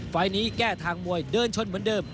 ไฟล์นี้แก้ทางมวยเดินชนเหมือนเดิม